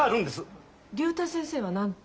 竜太先生は何と？